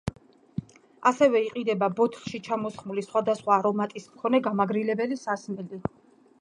ასევე იყიდება ბოთლში ჩამოსხმული სხვადასხვა არომატის მქონე გამაგრილებელი სასმელი.